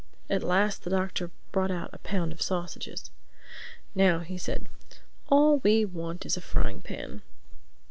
At last the Doctor brought out a pound of sausages. "Now," he said, "all we want is a frying pan."